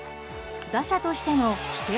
打者としての規定